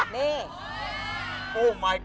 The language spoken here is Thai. นี่นี่นี่